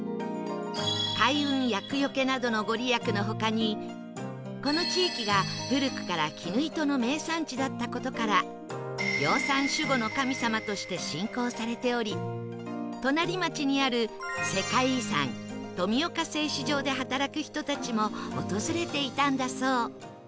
開運厄除けなどの御利益の他にこの地域が古くから絹糸の名産地だった事から養蚕守護の神様として信仰されており隣町にある世界遺産富岡製糸場で働く人たちも訪れていたんだそう